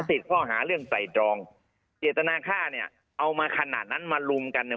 ติดข้อหาเรื่องใส่ตรองเจตนาค่าเนี่ยเอามาขนาดนั้นมาลุมกันเนี่ย